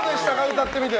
歌ってみて。